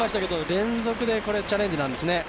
連続でこれチャレンジなんですね。